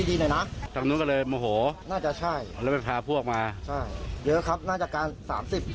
ใช่เยอะครับน่าจะการสามสิบ